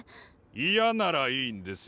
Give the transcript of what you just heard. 嫌ならいいんですよ。